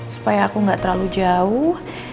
supaya aku gak terlalu jauh